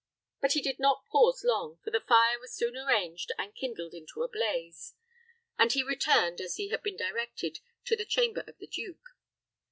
But he did not pause long, for the fire was soon arranged and kindled into a blaze; and he returned, as he had been directed, to the chamber of the duke.